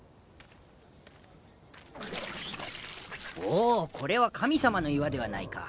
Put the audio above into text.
おこれは神様の岩ではないか。